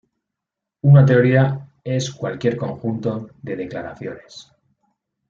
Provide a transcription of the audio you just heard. Una teoría es cualquier conjunto de declaraciones.